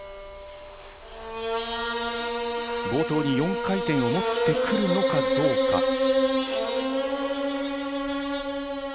冒頭に４回転を持ってくるかどうか。